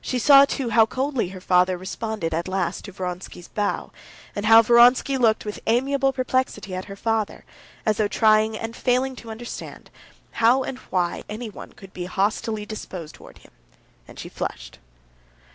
She saw, too, how coldly her father responded at last to Vronsky's bow, and how Vronsky looked with amiable perplexity at her father, as though trying and failing to understand how and why anyone could be hostilely disposed towards him, and she flushed.